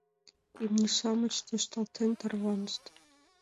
Имне-шамыч тӧршталтен тарванышт.